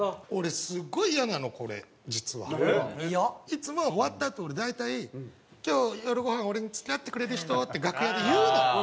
いつも終わったあと俺大体「今日夜ごはん俺に付き合ってくれる人」って楽屋で言うの。